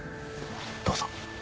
どうぞ。